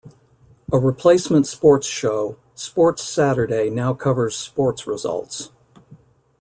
A replacement sports show, "Sports Saturday" now covers sports results.